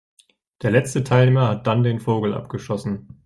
Der letzte Teilnehmer hat dann den Vogel abgeschossen.